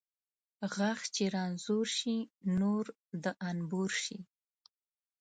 غاښ چې رنځور شي ، نور د انبور شي .